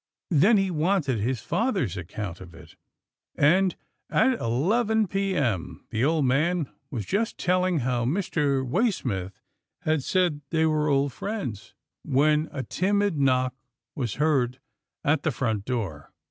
Then he wanted his father's account of it, and at eleven p. m. the old man was just telling RETURN OF THE TREASURES 207 how Mr. Way smith had said they were old friends, when a timid knock was heard at the front door.